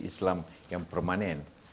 islam yang permanen